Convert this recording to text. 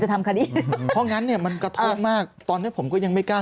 ทำคดีเพราะงั้นเนี่ยมันกระทบมากตอนนี้ผมก็ยังไม่กล้า